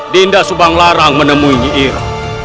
dinda subang lara menemuinya